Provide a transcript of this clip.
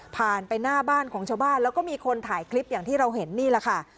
ผ่านไปหน้าบ้านของชาวบ้านแล้วก็มีคนถ่ายคลิปอย่างที่เราเห็นนี่แหละค่ะ